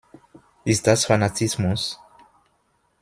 Ist das Fanatismus?